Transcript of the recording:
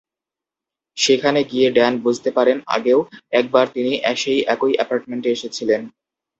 সেখানে গিয়ে ড্যান বুঝতে পারেন, আগেও একবার তিনি সেই একই অ্যাপার্টমেন্টে এসেছিলেন।